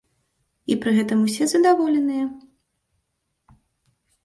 І пры гэтым усе задаволеныя!